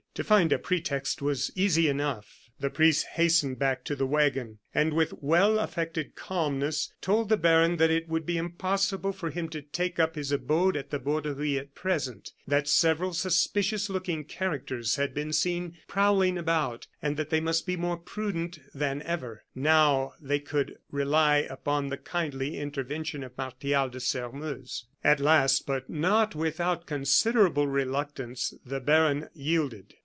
To find a pretext was easy enough. The priest hastened back to the wagon, and with well affected calmness told the baron that it would be impossible for him to take up his abode at the Borderie at present, that several suspicious looking characters had been seen prowling about, and that they must be more prudent than ever, now they could rely upon the kindly intervention of Martial de Sairmeuse. At last, but not without considerable reluctance, the baron yielded.